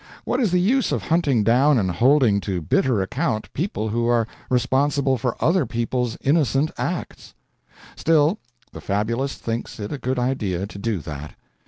What is the use of hunting down and holding to bitter account people who are responsible for other people's innocent acts? Still, the fabulist thinks it a good idea to do that.